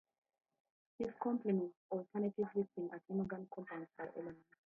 This complements alternative listing at inorganic compounds by element.